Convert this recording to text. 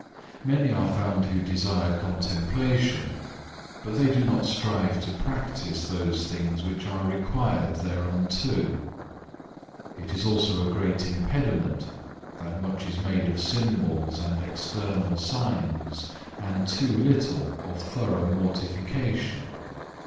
3. Many are found who desire contemplation, but they do not strive to practice those things which are required thereunto. It is also a great impediment, that much is made of symbols and external signs, and too little of thorough mortification.